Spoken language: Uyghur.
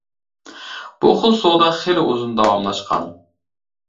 بۇ خىل سودا خېلى ئۇزۇن داۋاملاشقان.